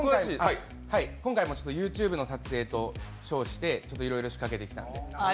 今回もＹｏｕＴｕｂｅの撮影と称していろいろ仕掛けてきたので。